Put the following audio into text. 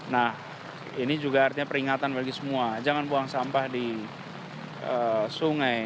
nah ini juga artinya peringatan bagi semua jangan buang sampah di sungai